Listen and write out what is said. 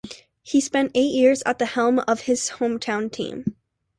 He spent eight years at the helm of his hometown team.